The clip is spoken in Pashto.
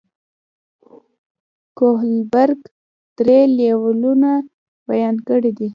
کوهلبرګ درې لیولونه بیان کړي دي.